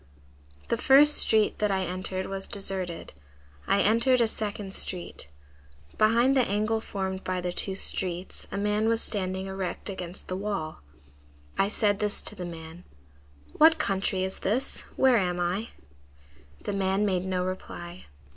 5 "The first street that I entered was deserted. I entered a second street. Behind the angle formed by the two streets, a man was standing erect against the wall. I said to this man:— "'What country is this? Where am I?' The man made no reply.